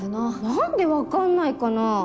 何で分かんないかな。